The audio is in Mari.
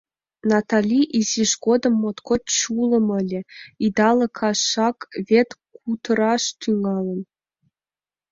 Натали изиж годым моткоч чулым ыле, идалыкашак вет кутыраш тӱҥалын.